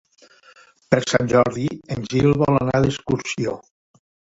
Per Sant Jordi en Gil vol anar d'excursió.